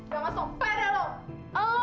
jangan sumpah deh lo